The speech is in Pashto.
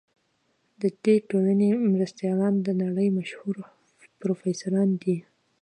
د دې ټولنې مرستیالان د نړۍ مشهور پروفیسوران دي.